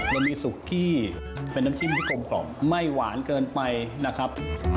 เรามีสุกี้เป็นน้ำจิ้มที่กลมไม่หวานเกินไปนะครับ